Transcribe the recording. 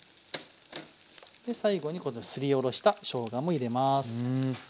で最後にこのすりおろしたしょうがも入れます。